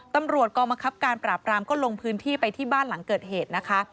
ตำรวจกองบังคับการปราบรามก็ลงพื้นที่ไปที่บ้านหลังเกิดเหตุนะคะ